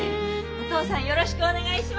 お父さんよろしくお願いします。